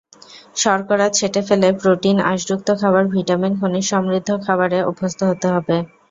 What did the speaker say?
শর্করা ছেঁটে ফেলে প্রোটিন, আঁশযুক্ত খাবার, ভিটামিন, খনিজসমৃদ্ধ খাবারে অভ্যস্ত হতে হবে।